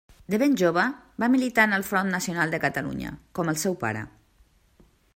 De ben jove va militar en el Front Nacional de Catalunya, com el seu pare.